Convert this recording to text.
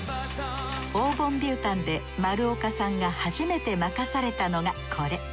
オー・ボン・ヴュー・タンで丸岡さんが初めて任されたのがこれ。